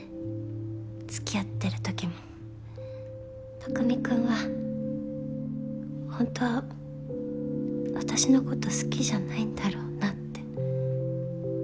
つきあって匠君はほんとは私のこと好きじゃないんだろうなって。